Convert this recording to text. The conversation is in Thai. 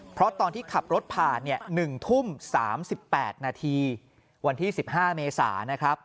เพราะตอนที่ขับรถผ่าน๑ทุ่ม๓๘นาทีวันที่๑๕เมษานะครับ